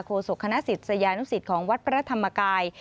โฆษกคณะสิทธิ์สยานุสิทธิ์ของวัดพระธรรมกาย